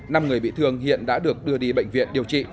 năm người bị thương hiện đã được đưa đi bệnh viện điều trị